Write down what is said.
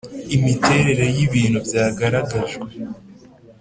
Imiterere y ibintu byagaragajwe